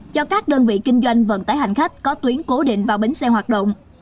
cho các đơn vị kinh doanh vận tải hành khách có tuyến cố định vào bến xe hoạt động